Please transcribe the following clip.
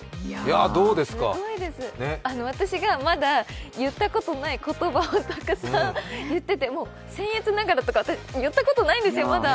すごいです、私がまだ言ったことのない言葉をたくさん言ってて、「せん越ながら」とか私、言ったことないんですよ、まだ。